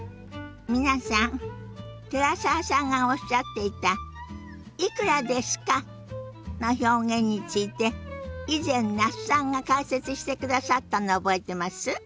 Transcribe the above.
皆さん寺澤さんがおっしゃっていた「いくらですか？」の表現について以前那須さんが解説してくださったの覚えてます？